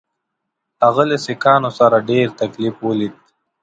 هغه له سیکهانو څخه ډېر تکلیف ولید.